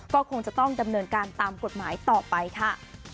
ก็คงจะต้องดำเนินการตามกฎหมายต่อไปค่ะ